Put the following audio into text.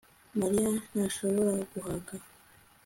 Mariya ntashobora guhaga